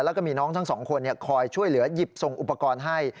แล้วก็มีน้องทั้งสองคนคอยช่วยเหลือหยิบส่งอุปกรณ์ให้